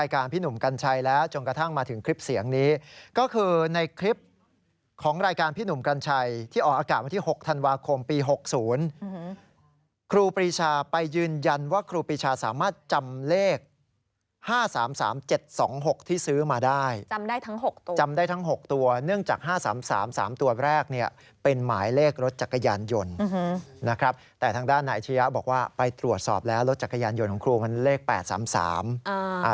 อคุณบิชาและจนกระทั่งมาถึงคลิปเสียงนี้ก็คือในคลิปของรายการพี่หนุ่มกันชัยที่ออกอากาศที่๖ธันวาคมปี๖๐ครูปริชาไปยืนยันว่าครูปริชาสามารถจำเลข๕๓๓๗๒๖ที่ซื้อมาได้จำได้ทั้ง๖ตัวจำได้ทั้ง๖ตัวเนื่องจาก๕๓๓๓ตัวแรกเนี่ยเป็นหมายเลขรถจักรยานยนต์นะครับแต่ทางด้านไหนเชียวบอกว่า